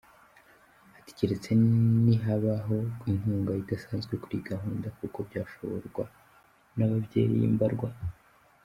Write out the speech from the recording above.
Ati “Keretse nihabaho inkunga idasanzwe kuri iyi gahunda, kuko byashoborwa n’ababyeyi mbarwa.